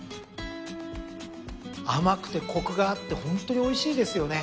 甘くてコクがあってホントにおいしいですよね。